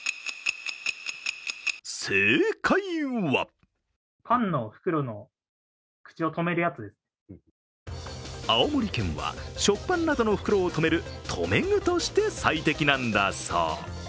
正解は青森県は食パンなどの袋をとめる留め具として最適なんだそう。